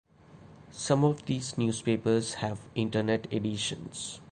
Some of these newspapers have Internet editions.